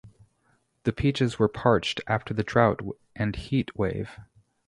The peaches were parched after the drought and heat wave.